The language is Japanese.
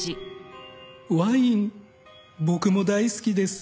「ワイン僕も大好きです」